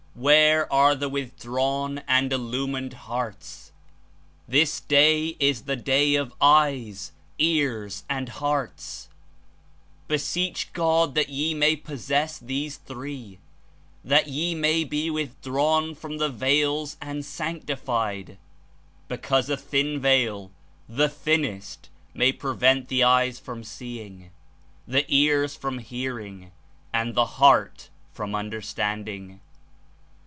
Where are the withdrawn and Illumined hearts? This Day is the day of eyes, ears and hearts. Beseech God that ye may possess these three, that ye may be withdrawn from the veils and sanctified; because yes ars ^^|^|^ ^^ji ^^^ thinnest, may prevent the and Hearts .;. eyes from seeing, the ears from hearing and the heart from understanding.